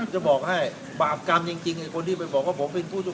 จะบอกให้บาปกรรมจริงไอ้คนที่ไปบอกว่าผมเป็นผู้ต้อง